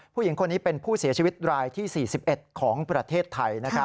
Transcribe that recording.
ผู้หญิงคนนี้เป็นผู้เสียชีวิตรายที่๔๑ของประเทศไทย